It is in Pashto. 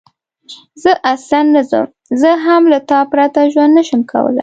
زه اصلاً نه ځم، زه هم له تا پرته ژوند نه شم کولای.